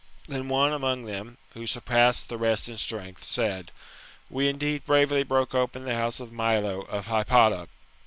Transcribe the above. Then one among them, who surpassed the rest in strength, said, ''We indeed bravely broke open the house of Milo, of Hypata.